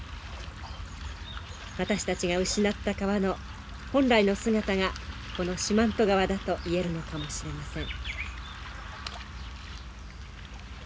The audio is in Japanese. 私たちが失った川の本来の姿がこの四万十川だと言えるのかもしれません。